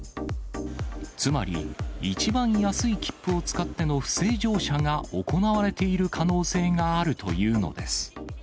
つまり、一番安い切符を使っての不正乗車が行われている可能性があるというのです。